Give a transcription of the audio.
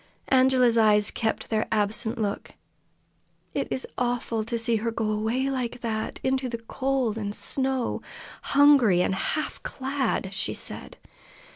Angela's eyes kept their absent look. "It was awful to see her go away like that, into the cold and snow, hungry and half clad!" she said.